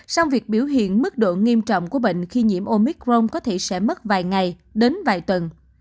song việc biểu hiện mức độ nghiêm trọng của bệnh khi nhiễm omicron có thể sẽ mất vài ngày đến vài tuần